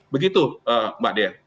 begitu mbak dea